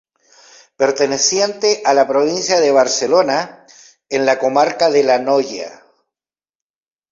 Perteneciente a la provincia de Barcelona, en la comarca de La Noya.